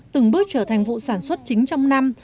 từng bước trở thành vụ sản xuất chính trong năm